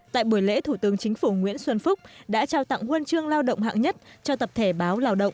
tại buổi lễ thủ tướng chính phủ nguyễn xuân phúc đã trao tặng huân chương lao động hạng nhất cho tập thể báo lao động